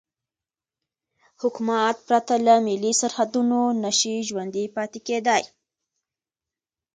حکومت پرته له ملي سرحدونو نشي ژوندی پاتې کېدای.